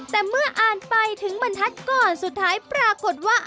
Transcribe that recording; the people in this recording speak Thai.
แต่เมื่ออ่านไปถึงบรรทัศน์ก่อนสุดท้ายปรากฏว่า